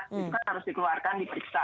itu kan harus dikeluarkan diperiksa